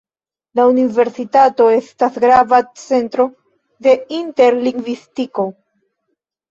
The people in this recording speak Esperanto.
La universitato estas grava centro de interlingvistiko.